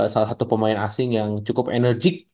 salah satu pemain asing yang cukup enerjik